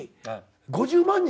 ５０万人？